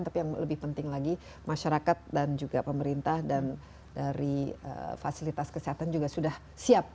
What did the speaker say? tapi yang lebih penting lagi masyarakat dan juga pemerintah dan dari fasilitas kesehatan juga sudah siap